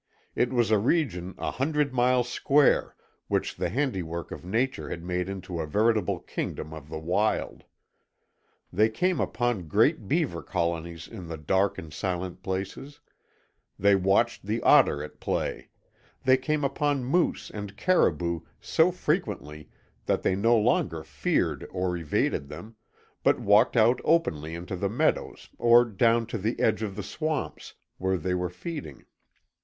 It was a region a hundred miles square which the handiwork of Nature had made into a veritable kingdom of the wild. They came upon great beaver colonies in the dark and silent places; they watched the otter at play; they came upon moose and caribou so frequently that they no longer feared or evaded them, but walked out openly into the meadows or down to the edge of the swamps where they were feeding.